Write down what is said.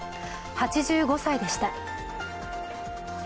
８５歳でした。